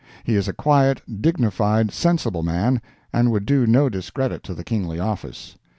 He is a quiet, dignified, sensible man, and would do no discredit to the kingly office.